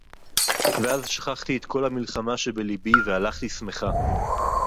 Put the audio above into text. וְאָז שָׁכַחְתִּי אֶת כָּל הַמִּלְחָמָה שֶׁבְּלִיבִּי וְהָלַכְתִּי שְׂמֵחָה.